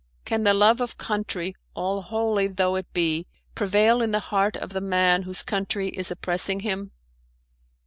Can the love of country, all holy though it be, prevail in the heart of the man whose country is oppressing him?